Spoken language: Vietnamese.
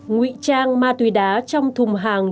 nguy trang ma túy đá trong thùng hàng